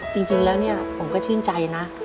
จริงแล้วเนี่ยผมก็ชื่นใจนะ